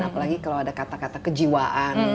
apalagi kalau ada kata kata kejiwaan